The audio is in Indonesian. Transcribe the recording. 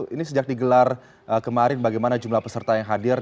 ini sejak digelar kemarin bagaimana jumlah peserta yang hadir